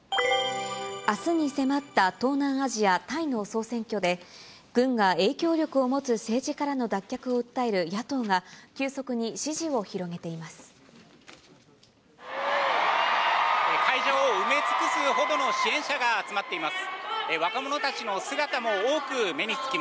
あすに迫った東南アジア・タイの総選挙で、軍が影響力を持つ政治からの脱却を訴える野党が、会場を埋め尽くすほどの支援者が集まっています。